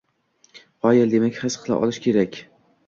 — Qoyil. Demak, his qila olish kerak.